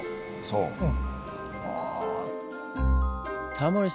うん。